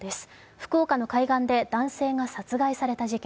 福岡の海岸で男性が殺害された事件。